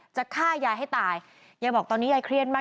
จะฆ่ายายให้ตายยายบอกตอนนี้ยายเครียดมาก